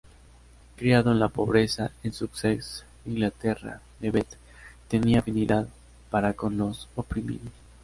Criado en la pobreza en Sussex, Inglaterra, Levett tenía afinidad para con los oprimidos.